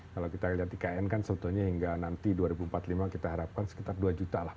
kalau kita lihat ikn kan sebetulnya hingga nanti dua ribu empat puluh lima kita harapkan sekitar dua juta lah